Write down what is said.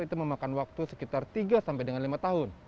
itu memakan waktu sekitar tiga sampai dengan lima tahun